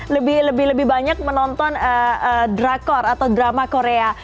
lebih lebih banyak menonton drakor atau drama korea